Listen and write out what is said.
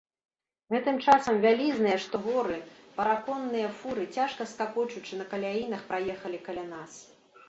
Гэтым часам вялізныя, што горы, параконныя фуры, цяжка сакочучы на каляінах, праехалі каля нас.